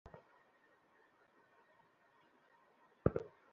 ও আমার জন্য একটা ফটোশুট করেছে।